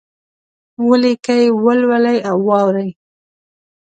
ولیکئ، ولولئ او واورئ!